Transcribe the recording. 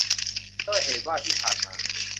ด้วยเหตุว่าที่ผ่านมา